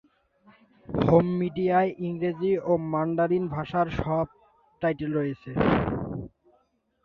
Home মিডিয়ায় ইংরেজি ও ম্যান্ডারিন ভাষার সাব টাইটেল রয়েছে।